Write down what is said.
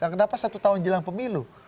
kenapa satu tahun jelang pemilu